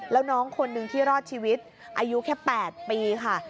แล้วน้องคนหนึ่งที่รอดชีวิตอายุแค่๘ปีค่ะ